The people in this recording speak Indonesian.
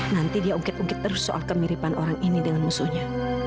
nanti dia ungkit ungkit terus soal kemiripan orang ini dengan musuhnya